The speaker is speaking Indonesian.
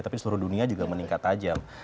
tapi di seluruh dunia juga meningkat tajam